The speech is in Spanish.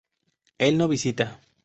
¿Él no visita?